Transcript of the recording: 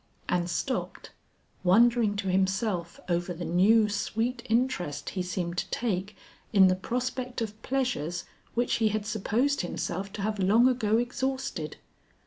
And stopped, wondering to himself over the new sweet interest he seemed to take in the prospect of pleasures which he had supposed himself to have long ago exhausted.